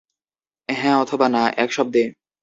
হ্যাঁ অথবা না, এক শব্দে।